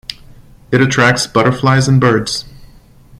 It attracts butterflies and birds.